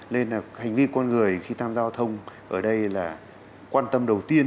nên là hành vi con người khi tham gia giao thông ở đây là quan tâm đầu tiên